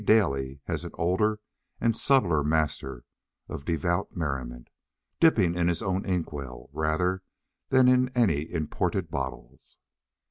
Daly as an older and subtler master of devout merriment, dipping in his own inkwell rather than in any imported bottles.